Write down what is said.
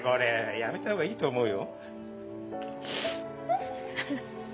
やめたほうがいいと思うよ。